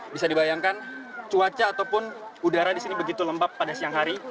bisa dibayangkan cuaca ataupun udara di sini begitu lembab pada siang hari